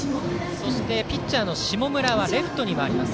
ピッチャーの下村はレフトに回ります。